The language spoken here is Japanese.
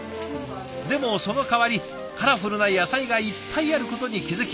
でもそのかわりカラフルな野菜がいっぱいあることに気付き